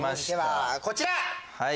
こちら！